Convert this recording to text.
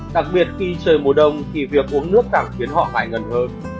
đặc biệt khi trời mùa đông thì việc uống nước cảm khiến họ hại ngần hơn